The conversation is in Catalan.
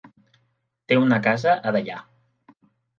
Té una casa a Deià.